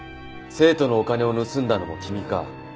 生徒のお金を盗んだのも君か？